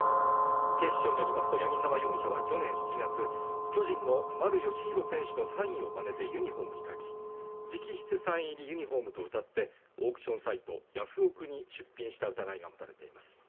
警視庁によりますと八木沢容疑者は去年７月巨人の丸佳浩選手のサインをまねてユニフォームに書き直筆サイン入りユニホームと歌ってオークションサイトヤフオク！に出品した疑いが持たれています